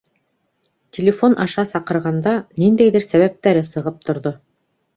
Телефон аша саҡырғанда, ниндәйҙер сәбәптәре сығып торҙо.